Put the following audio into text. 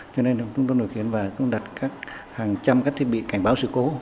cho nên chúng tôi điều khiển và chúng tôi đặt hàng trăm các thiết bị cảnh báo sự cố